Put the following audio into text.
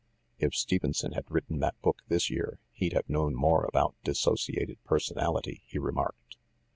"If Stevenson had written that book this year, he'd have known more about dissociated personality," he remarked.